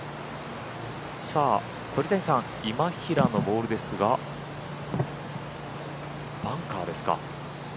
鳥谷さん今平のボールですがバンカーですか。